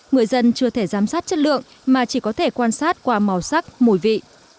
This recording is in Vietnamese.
người dân chưa thể giám sát chất lượng mà chỉ có thể quan sát qua màu sắc mùi vị